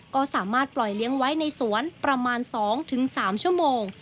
ก็สามารถปล่อยเลี้ยงไว้ในสวนประมาณ๒๓ชั่วโมง